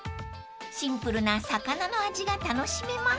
［シンプルな魚の味が楽しめます］